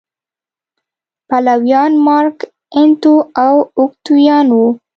پلویان مارک انتو او اوکتاویان و